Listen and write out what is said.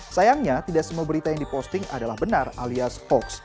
sayangnya tidak semua berita yang diposting adalah benar alias hoax